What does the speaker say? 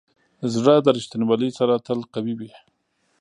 زړه د ریښتینولي سره تل قوي وي.